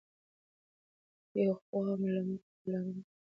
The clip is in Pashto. یوه خوا ملامتول عادلانه نه دي.